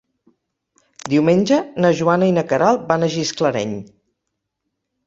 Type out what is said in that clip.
Diumenge na Joana i na Queralt van a Gisclareny.